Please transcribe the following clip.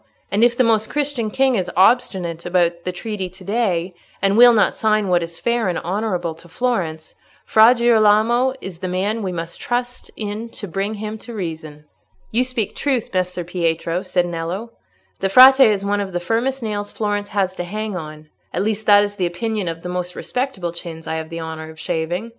And if the Most Christian King is obstinate about the treaty to day, and will not sign what is fair and honourable to Florence, Fra Girolamo is the man we must trust in to bring him to reason." "You speak truth, Messer Pietro," said Nello; "the Frate is one of the firmest nails Florence has to hang on—at least, that is the opinion of the most respectable chins I have the honour of shaving.